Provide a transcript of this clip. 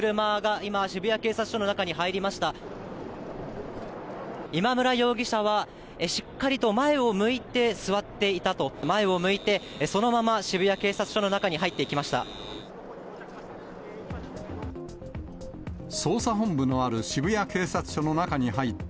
今村容疑者は、しっかりと前を向いて座っていたと、前を向いて、そのまま渋谷警察署の中に入っていきました。